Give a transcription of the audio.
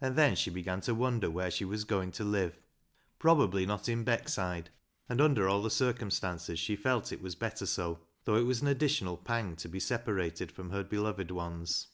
And then she began to wonder where she was going to hve. Probably not in Beckside, and under all the circumstances she felt it was better so, though it was an additional pang to be separated from her beloved ones.